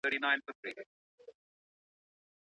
ولي کوښښ کوونکی د لوستي کس په پرتله برخلیک بدلوي؟